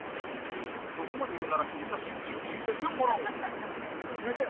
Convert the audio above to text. そこまで言うならヒザ神に見せてもらおう豊本：決めてよ。